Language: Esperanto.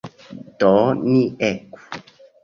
Do, ni eku!